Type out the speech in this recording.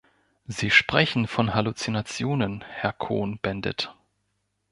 Sie sprechen von Halluzinationen, Herr Cohn-Bendit.